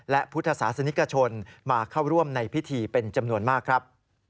และพุทธศาสนิกชนมาเข้าร่วมในพิธีเป็นจำนวนมากครับ